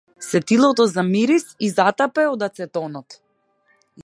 Сетилото за мирис ѝ затапе од ацетонот.